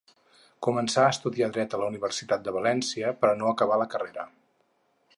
Començà a estudiar dret a la Universitat de València, però no acabà la carrera.